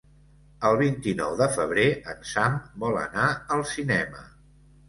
El vint-i-nou de febrer en Sam vol anar al cinema.